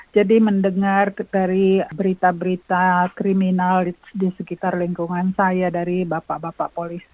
jadi mendengar dari berita berita kriminal di sekitar lingkungan saya dari bapak bapak polis